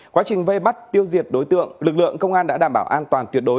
quá trình vây bắt tiêu diệt đối tượng lực lượng công an đã đảm bảo an toàn tuyệt đối